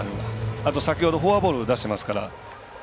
あと、先ほどフォアボールを出してますから。